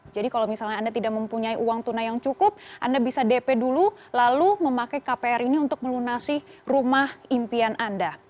jadi kalau misalnya anda tidak mempunyai uang tunai yang cukup anda bisa dp dulu lalu memakai kpr ini untuk melunasi rumah impian anda